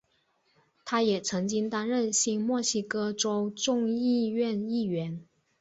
他也曾经担任新墨西哥州众议院议员。